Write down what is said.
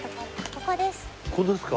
ここですか。